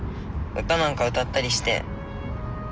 歌なんか歌ったりして。